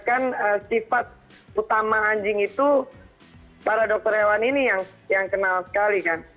kan sifat utama anjing itu para dokter hewan ini yang kenal sekali kan